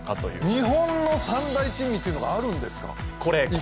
日本の三大珍味っていうのがあるんですか。